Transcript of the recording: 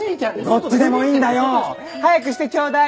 どっちでもいいんだよ！早くしてちょうだい。